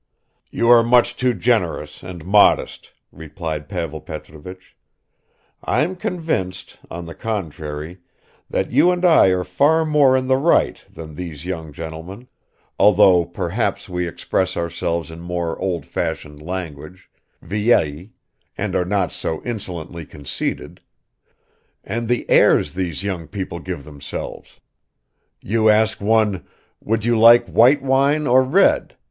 '" "You are much too generous and modest," replied Pavel Petrovich. "I'm convinced, on the contrary, that you and I are far more in the right than these young gentlemen, although perhaps we express ourselves in more old fashioned language vieilli and are not so insolently conceited ... and the airs these young people give themselves! You ask one 'Would you like white wine or red?'